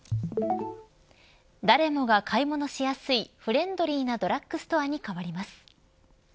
誰もが買い物しやすいフレンドリーなドラッグストアに変わります。